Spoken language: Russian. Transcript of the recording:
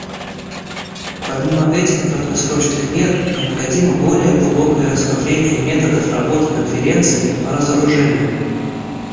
Помимо этих краткосрочных мер, необходимо более глубокое рассмотрение методов работы Конференции по разоружению.